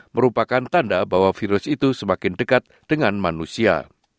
merupakan tanda bahwa virus itu semakin dekat dengan manusia